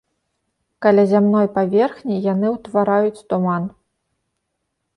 Каля зямной паверхні яны ўтвараюць туман.